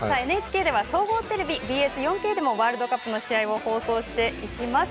ＮＨＫでは総合テレビＢＳ４Ｋでもワールドカップの試合を中継します。